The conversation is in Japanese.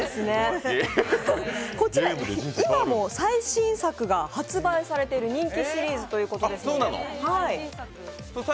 こちらは今も最新作が発売されている人気シリーズということですので。